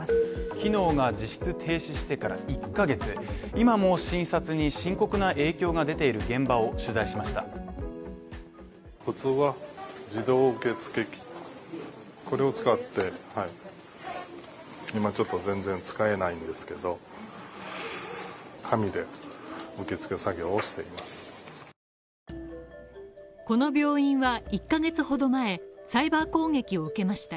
昨日が実質停止してから１ヶ月、今も診察に深刻な影響が出ている現場を取材しました。